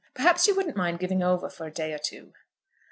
Perhaps you wouldn't mind giving over for a day or two."